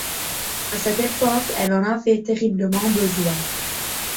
A cette époque, elle en avait terriblement besoin.